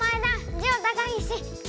ジオ高岸！